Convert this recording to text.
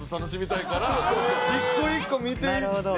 １個１個見ていって。